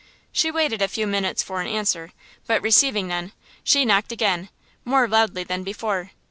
She waited a few minutes for an answer, but receiving none, she knocked again, more loudly than before.